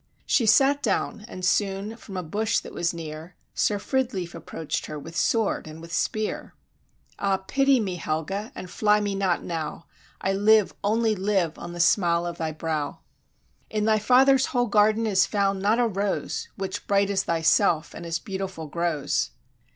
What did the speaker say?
She sat down, and soon, from a bush that was near, Sir Fridleif approach'd her with sword and with spear: "Ah, pity me, Helga, and fly me not now, I live, only live, on the smile of thy brow: "In thy father's whole garden is found not a rose, Which bright as thyself, and as beautiful grows."